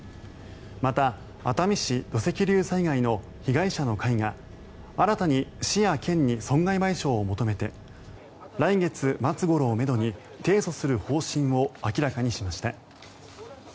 また、熱海市土石流災害の被害者の会が新たに市や県に損害賠償を求めて来月末ごろをめどに提訴する方針を明らかにしました。